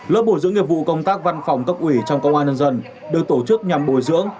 lớp bổ dưỡng nghiệp vụ công tác văn phòng cấp ủy trong công an nhân dân được tổ chức nhằm bồi dưỡng